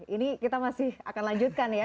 ini kita masih akan lanjutkan ya